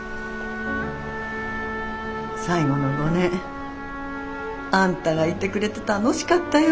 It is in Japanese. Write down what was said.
最後の五年あんたがいてくれて楽しかったよ。